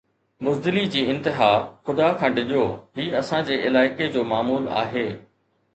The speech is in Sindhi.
بزدلي جي انتها، خدا کان ڊڄو، هي اسان جي علائقي جو معمول آهي